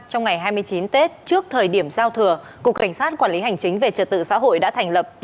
trong ngày hai mươi chín tết trước thời điểm giao thừa cục cảnh sát quản lý hành chính về trật tự xã hội đã thành lập